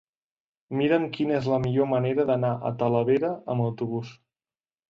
Mira'm quina és la millor manera d'anar a Talavera amb autobús.